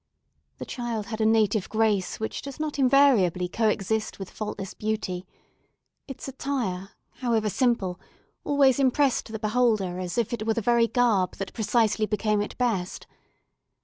The child had a native grace which does not invariably co exist with faultless beauty; its attire, however simple, always impressed the beholder as if it were the very garb that precisely became it best.